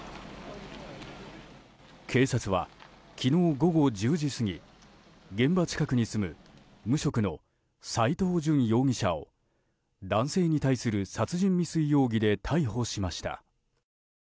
警察は昨日午後１０時過ぎ現場近くに住む無職の斎藤淳容疑者を男性に対する殺人未遂容疑で逮捕しました。